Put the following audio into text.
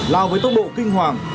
lào với tốc độ kinh hoàng